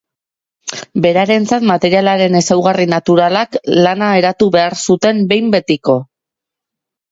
Berarentzat, materialaren ezaugarri naturalak, lana eratu behar zuten behin betiko.